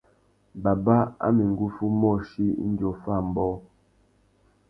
Baba a mà enga uffê umôchï indi offa ambōh.